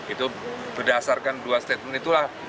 itu berdasarkan dua statement itulah